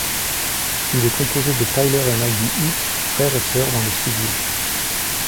Il est composé de Tyler et Maggie Heath, frère et sœur dans le civil.